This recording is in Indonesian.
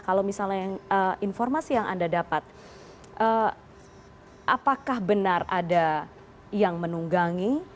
kalau misalnya informasi yang anda dapat apakah benar ada yang menunggangi